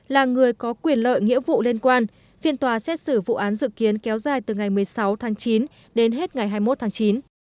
tòa án nhân dân tp hcm mở phiên xét xử vụ án dự kiến kéo dài từ ngày một mươi sáu tháng chín đến hết ngày hai mươi một tháng chín